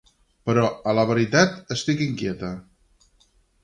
Però, a la veritat, estic inquieta;